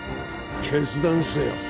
決断せよ。